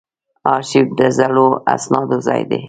ارشیف د زړو اسنادو ځای دی